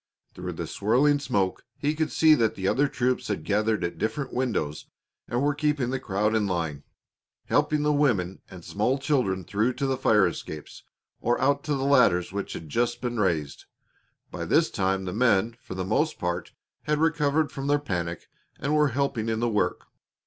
Through the swirling smoke he could see that the other troops had gathered at different windows and were keeping the crowd in line, helping the women and small children through to the fire escapes or out to the ladders which had just been raised. By this time the men, for the most part, had recovered from their panic and were helping in the work.